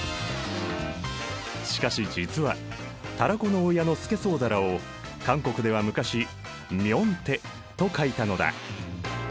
しかし実はタラコの親のスケソウダラを韓国では昔明太と書いたのだ。